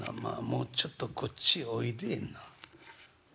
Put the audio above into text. もうちょっとこっちへおいでえな」。